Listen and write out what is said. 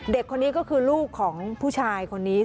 เด็กคนนี้ก็คือลูกของผู้ชายคนนี้